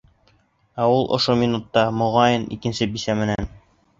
Ә ул ошо минутта, моғайын, икенсе бисә менән...